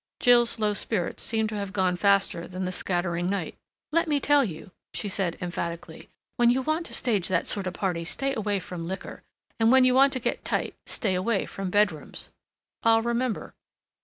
Jill's low spirits seemed to have gone faster than the scattering night. "Let me tell you," she said emphatically, "when you want to stage that sorta party stay away from liquor, and when you want to get tight stay away from bedrooms." "I'll remember."